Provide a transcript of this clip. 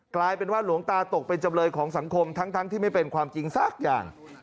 กลายเป็นว่าหลวงตาตกเป็นจำเลยของสังคมทั้งที่ไม่เป็นความจริงสักอย่าง